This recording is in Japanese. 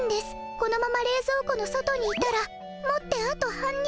このままれいぞう庫の外にいたらもってあと半日。